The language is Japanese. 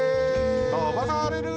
とばされる！